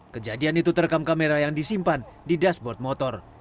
kejadian itu terekam kamera yang disimpan di dashboard motor